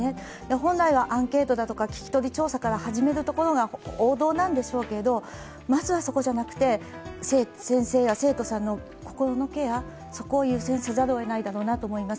本来はアンケートとか聞き取り調査から始めるところが王道なんでしょうけどまずはそこじゃなくて、先生や生徒さんの心のケア、そこを優先せざるを得ないと思います。